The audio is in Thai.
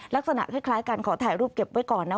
ลักษณะคล้ายการขอถ่ายรูปเก็บไว้ก่อนนะ